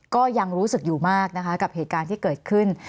ก็ยังรู้สึกอยู่มากนะคะกับเหตุการณ์ที่เกิดขึ้น